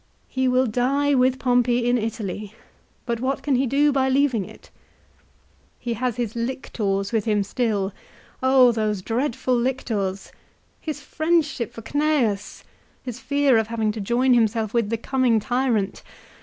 He will die with Pompey in Italy, but what can he do by leaving it ? He has his 142 LIFE OF CICERO. " lictors " with him still. Oh those dreadful lictors ! His friendship for Cnseus ! His fear of having to join himself with the coming tyrant